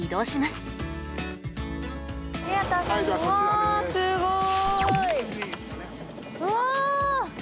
すごい！